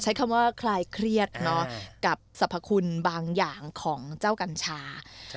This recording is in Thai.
ใช้คำว่าคลายเครียดกับสรรพคุณบางอย่างของเจ้ากัญชา